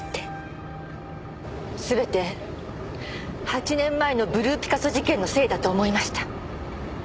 全て８年前のブルーピカソ事件のせいだと思いました。